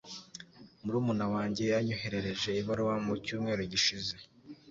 Murumuna wanjye yanyoherereje ibaruwa mu cyumweru gishize.